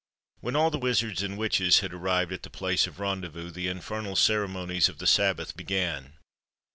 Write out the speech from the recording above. When all the wizards and witches had arrived at the place of rendezvous, the infernal ceremonies of the sabbath began.